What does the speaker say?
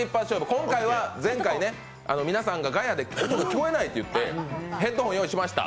今回は、前回、皆さんのガヤで聞こえないのでヘッドフォン用意しました。